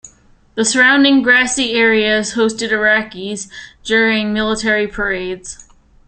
The surrounding grassy areas hosted Iraqis during military parades.